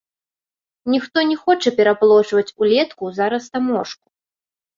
Ніхто не хоча пераплочваць улетку за растаможку.